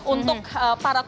untuk para tuan